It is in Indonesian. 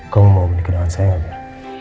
kamu mau menikah dengan saya gak mir